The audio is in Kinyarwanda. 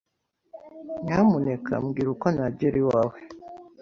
Nyamuneka mbwira uko nagera iwawe.